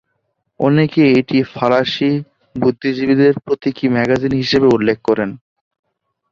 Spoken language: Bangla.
অনেকে এটিকে ফরাসি বুদ্ধিজীবীদের প্রতীকী ম্যাগাজিন হিসেবে উল্লেখ করেন।